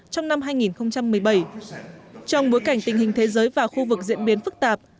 trong năm hai nghìn một mươi bảy trong bối cảnh tình hình thế giới và khu vực diễn biến phức tạp